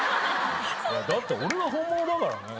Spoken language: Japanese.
だって俺が本物だからね。